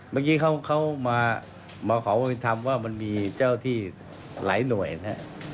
เมื่อกี้เขามาขอความเป็นธรรมว่ามันมีเจ้าที่หลายหน่วยนะครับ